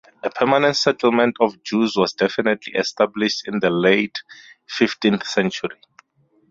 A permanent settlement of Jews was definitely established in the late fifteenth century.